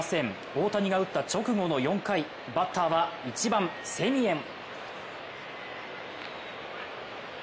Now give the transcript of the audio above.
大谷が打った直後の４回バッターは１番・セミエン。